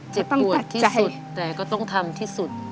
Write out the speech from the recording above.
เจ็บปวดที่สุดแต่ก็ต้องทำที่สุด